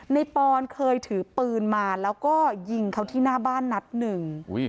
ปอนเคยถือปืนมาแล้วก็ยิงเขาที่หน้าบ้านนัดหนึ่ง